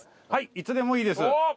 いつでもいいです。